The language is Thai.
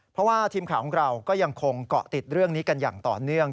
เพราะว่าทีมข่าวของเราก็ยังคงเกาะติดเรื่องนี้กันอย่างต่อเนื่อง